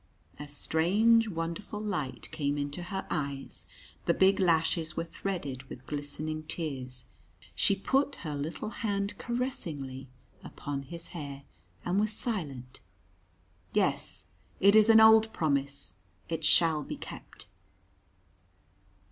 A strange wonderful light came into her eyes. The big lashes were threaded with glistening tears. She put her little hand caressingly upon his hair, and was silent. "Yes! it is an old promise. It shall be kept."